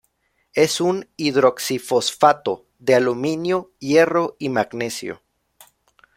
Es un hidroxi-fosfato de aluminio, hierro y magnesio.